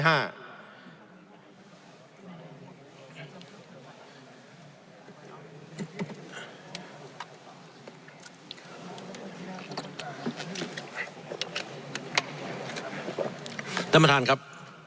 ท่านประธานครับ